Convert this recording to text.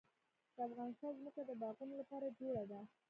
د افغانستان ځمکه د باغونو لپاره جوړه ده.